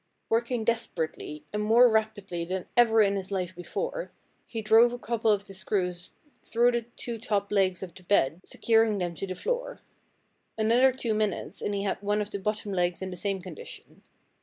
"Working desperately, and more rapidly than ever in his life before, he drove a couple of the screws through the two top legs of the bed, securing them to the floor. Another two minutes and he had one of the bottom legs in the same condition.